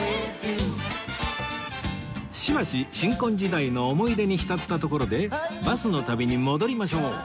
しばし新婚時代の思い出に浸ったところでバスの旅に戻りましょう